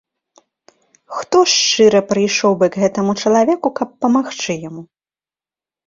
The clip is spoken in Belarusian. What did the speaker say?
Хто шчыра прыйшоў бы к гэтаму чалавеку, каб памагчы яму?